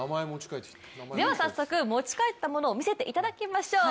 では早速、持ち帰ったものを見せていただきましょう。